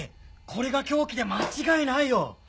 これが凶器で間違いないよ。